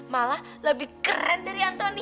malah lebih keren dari antoni